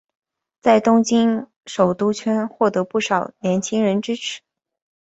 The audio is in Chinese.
在东京首都圈获得不少年轻人支持。